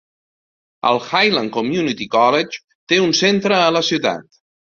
El Highland Community College té un centre a la ciutat.